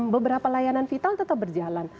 beberapa layanan vital tetap berjalan